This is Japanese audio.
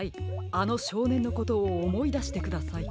あのしょうねんのことをおもいだしてください。